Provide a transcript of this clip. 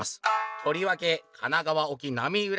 とりわけ『神奈川沖浪裏』がすごい！